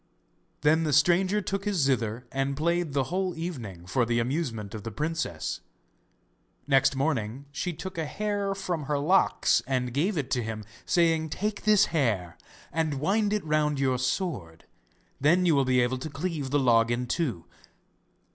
Then the stranger took his zither and played the whole evening for the amusement of the princess. Next morning she took a hair from her locks and gave it to him, saying: 'Take this hair, and wind it round your sword, then you will be able to cleave the log in two.